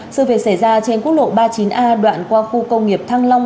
sự việc xảy ra trên quốc lộ ba mươi chín a đoạn qua khu công nghiệp thăng long